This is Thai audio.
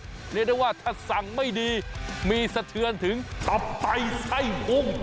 เรียกได้ว่าถ้าสั่งไม่ดีมีสะเทือนถึงตับไตไส้พุง